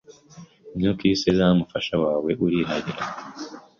nkuko iyo usezerana numufasha wawe urahirira